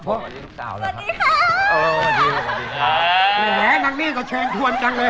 ที่แหนงนี้ก็เชียงทวนกันเลย